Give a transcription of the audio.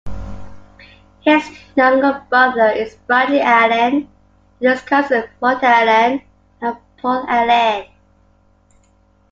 His younger brother is Bradley Allen and his cousin Martin Allen and Paul Allen.